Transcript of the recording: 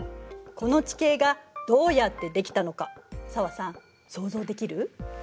この地形がどうやってできたのか紗和さん想像できる？